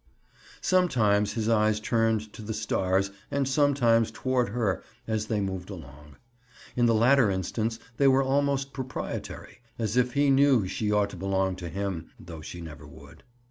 Sometimes his eyes turned to the stars and sometimes toward her as they moved along. In the latter instance, they were almost proprietary, as if he knew she ought to belong to him, though she never would.